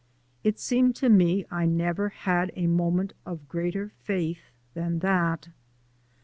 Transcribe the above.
It seemed to me I never had a moment of greater faith than that.